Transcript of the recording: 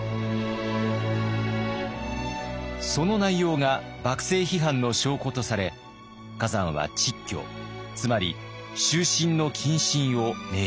その内容が幕政批判の証拠とされ崋山は蟄居つまり終身の謹慎を命じられます。